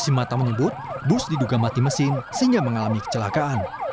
saksi mata menyebut bus diduga mati mesin sehingga mengalami kecelakaan